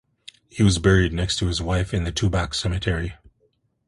He was buried next to his wife in the Tubac Cemetery.